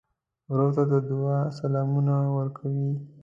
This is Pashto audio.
ورور ته د دعا سلامونه ورکوې.